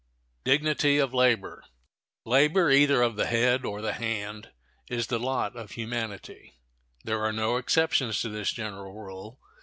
] Labor, either of the head or the hand, is the lot of humanity. There are no exceptions to this general rule.